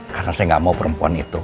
karena saya gak mau perempuan itu